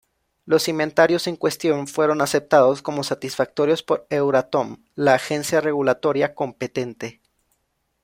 Los inventarios en cuestión fueron aceptados como satisfactorios por Euratom, la agencia regulatoria competente.